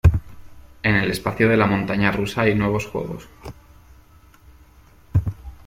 En el espacio de la Montaña Rusa hay nuevos juegos.